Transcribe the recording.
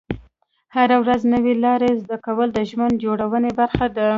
هره ورځ نوې لارې زده کول د ژوند جوړونې برخه ده.